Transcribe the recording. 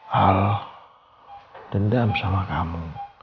hal dendam sama kamu